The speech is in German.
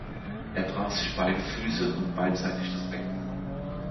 Er brach sich beide Füße und beidseitig das Becken.